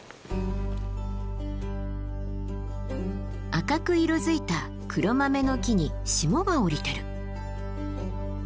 赤く色づいたクロマメノキに霜が降りてる。